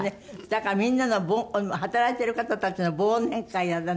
だからみんなの働いてる方たちの忘年会やらなんだとかって。